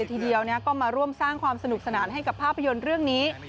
ทีเดียวก็มาร่วมสร้างความสนุกสนานให้กับภาพยนตร์เรื่องนี้